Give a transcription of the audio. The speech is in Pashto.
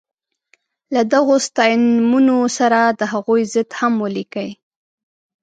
له دغو ستاینومونو سره د هغوی ضد هم ولیکئ.